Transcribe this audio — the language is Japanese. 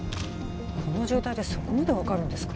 この状態でそこまで分かるんですか？